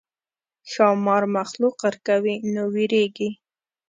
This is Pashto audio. ښامار مخلوق غرقوي نو وېرېږي.